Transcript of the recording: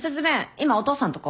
今お父さんとこ？